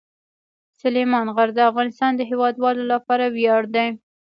سلیمان غر د افغانستان د هیوادوالو لپاره ویاړ دی.